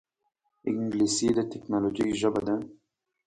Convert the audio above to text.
انګلیسي د ټکنالوجۍ ژبه ده